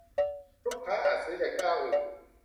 ลูกค้าอาจซื้อจากเจ้าอื่น